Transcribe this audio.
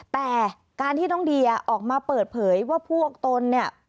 แต่การที่น้องเดียออกมาเปิดเผยว่าผู้โอคตน